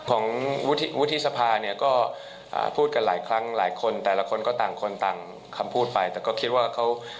ของวุฒิวุฒิสภาเนี่ยก็พูดกันหลายครั้งหลายคนแต่ละคนก็ต่างคนต่างคำพูดไปแต่ก็คิดว่าเขา